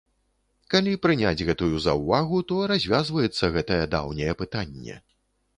Калі прыняць гэтую заўвагу, то развязваецца гэтае даўняе пытанне.